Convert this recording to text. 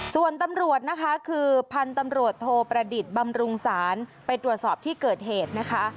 ส่วนตำรวจนะคะคือพันธุ์ตำรวจโทประดิษฐ์บำรุงศาลไปตรวจสอบที่เกิดเหตุนะคะ